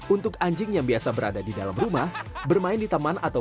untuk anjing yang biasa berada di dalam rumah bermain di teman atau